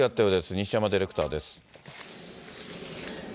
西山ディレクターです。